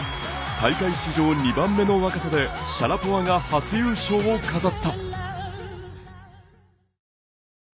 大会史上２番目の若さでシャラポワが初優勝を飾った。